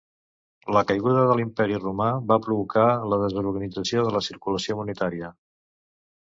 La caiguda de l'Imperi Romà va provocar la desorganització de la circulació monetària.